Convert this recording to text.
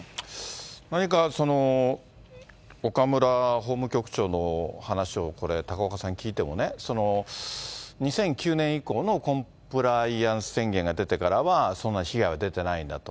何かその、岡村法務局長の話をこれ、高岡さん聞いてもね、２００９年以降のコンプライアンス宣言が出てからは、そんな被害は出ていないんだと。